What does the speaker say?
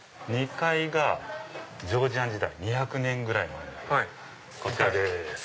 ２階がジョージアン時代２００年ぐらい前になります。